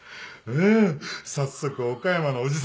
あ早速岡山のおじさんから。